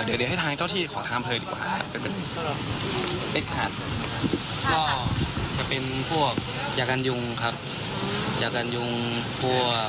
ยายาพวกยาทาเชียราตาลเชียราอย่างเงี้ยครับ